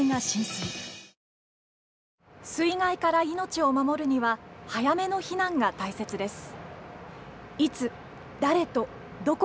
水害から命を守るには早めの避難が大切です。